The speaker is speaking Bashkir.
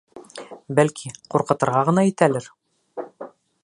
Бәлки, ҡурҡытырға ғына итәлер?